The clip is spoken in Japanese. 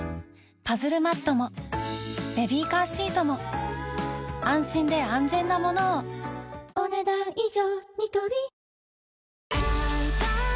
パズルマットもベビーカーシートも安心で安全なものをお、ねだん以上。